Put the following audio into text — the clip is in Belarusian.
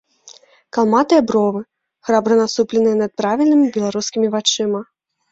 Калматыя бровы, храбра насупленыя над правільнымі беларускімі вачыма.